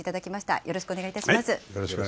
よろしくお願いします。